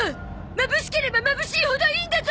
まぶしければまぶしいほどいいんだゾ！